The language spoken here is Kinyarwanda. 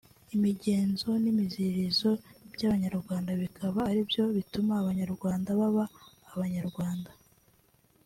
imigenzo n’imiziririzo by’Abanyarwanda bikaba aribyo bituma Abanyarwanda baba Abanyarwanda